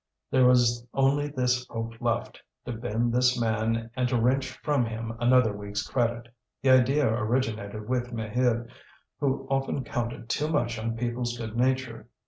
There was only this hope left, to bend this man and to wrench from him another week's credit. The idea originated with Maheude, who often counted too much on people's good nature.